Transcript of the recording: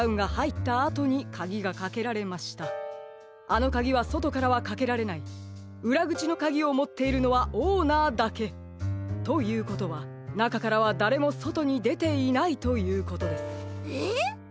あのカギはそとからはかけられないうらぐちのカギをもっているのはオーナーだけ。ということはなかからはだれもそとにでていないということです。え？